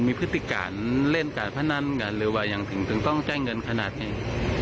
มีพฤติการเล่นการพนันกันหรือมีพฤติต้องการต่างการรับเนี่ย